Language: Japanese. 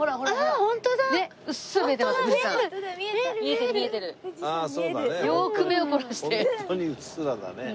ホントにうっすらだね。